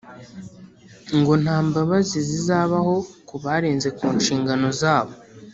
ngo nta mbabazi zizabaho ku barenze ku nshingano zabo